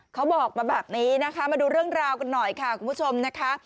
เขาบอกมาแบบนี้นะคะมาดูเรื่องราวกันหน่อยค่ะคุณผู้ชมนะคะ